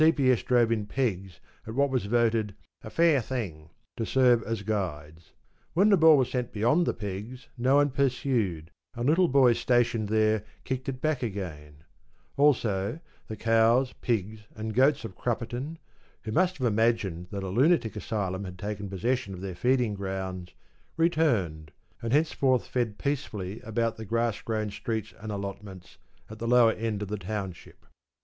P.S. drove in pegs at what was voted ‘a fair thing' to serve as guides. When the ball was sent beyond the pegs no one pursued, and little boys stationed there kicked it back again, Also, the cows, pigs and goats of Crupperton, who must have imagined that a lunatic asylum had taken possession of their feeding grounds, returned, and henceforth fed peacefully about the grass grown streets and allotments at the lower end of the township.